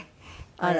あら。